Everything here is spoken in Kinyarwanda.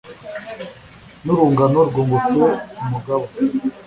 N'Urungano rwungutse Umugaba